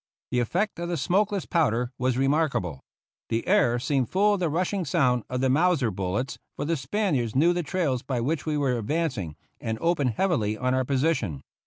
The effect of the smokeless powder was remarkable. The air seemed full of the rustling sound of the Mauser bullets, for the Spaniards knew the trails by which we were advancing, and opened heavily on our position.